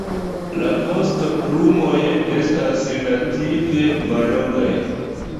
La vostoplumoj estas relative mallongaj.